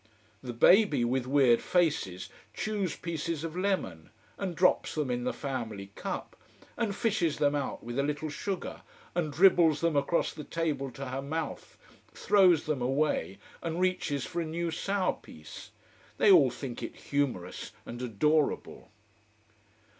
The baby, with weird faces, chews pieces of lemon: and drops them in the family cup: and fishes them out with a little sugar, and dribbles them across the table to her mouth, throws them away and reaches for a new sour piece. They all think it humorous and adorable.